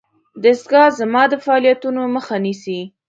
دستګاه زما د فعالیتونو مخه نیسي.